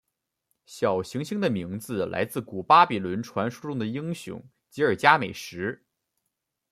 小行星的名字来自古巴比伦传说中的英雄吉尔伽美什。